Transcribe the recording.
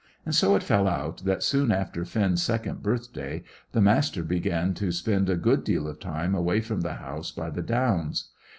And so it fell out that soon after Finn's second birthday the Master began to spend a good deal of time away from the house by the Downs.